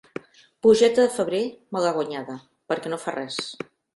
Plugeta de febrer, malaguanyada, perquè no fa res.